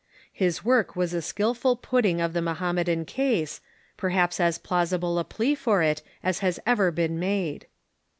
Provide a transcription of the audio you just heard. His work was a skilful putting of the Moham medan case, jDerhaps as plausible a plea for it as has ever been made.